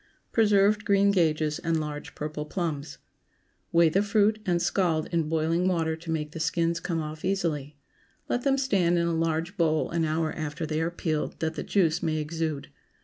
PRESERVED GREEN GAGES AND LARGE PURPLE PLUMS. ✠ Weigh the fruit and scald in boiling water to make the skins come off easily. Let them stand in a large bowl an hour after they are peeled, that the juice may exude.